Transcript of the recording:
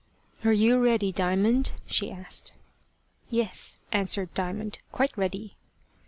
"Are you ready, Diamond?" she asked. "Yes," answered Diamond, "quite ready."